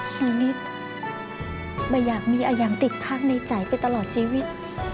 อย่างนี้ไม่อยากมีอาหยังติดทางในใจไปตลอดชีวิต